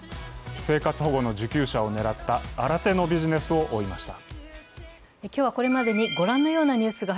生活保護の受給者を狙った新手のビジネスを追いました。